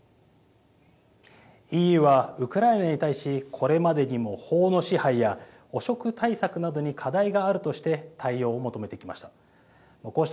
ＥＵは、ウクライナに対しこれまでにも法の支配や汚職対策などに課題があるとして対応を求めてきました。